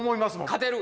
勝てる？